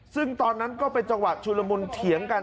ซึ่งตอนนั้นก็เป็นจังหวะชุลมุนเถียงกัน